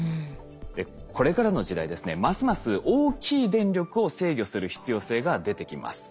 でこれからの時代ですねますます大きい電力を制御する必要性が出てきます。